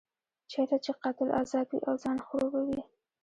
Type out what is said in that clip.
چېرته چې قاتل ازاد وي او ځان خړوبوي.